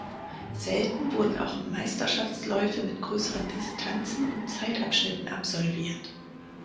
Selten wurden auch Meisterschaftsläufe mit größeren Distanzen und Zeitabschnitten absolviert.